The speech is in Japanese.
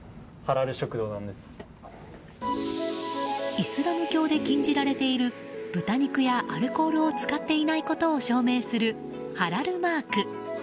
イスラム教で禁じられている豚肉やアルコールを使っていないことを証明するハラルマーク。